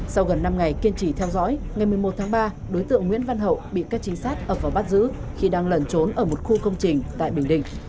sau gần năm ngày kiên trì theo dõi ngày một mươi một tháng ba đối tượng nguyễn văn hậu bị các trinh sát ập vào bắt giữ khi đang lẩn trốn ở một khu công trình tại bình định